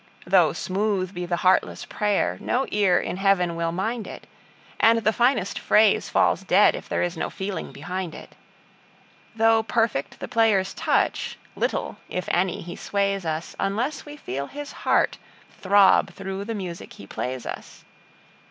Though smooth be the heartless prayer, no ear in Heaven will mind it, And the finest phrase falls dead if there is no feeling behind it. Though perfect the player's touch, little, if any, he sways us, Unless we feel his heart throb through the music he plays us.